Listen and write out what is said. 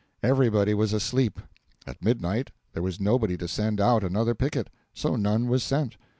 Everybody was asleep; at midnight there was nobody to send out another picket, so none was sent.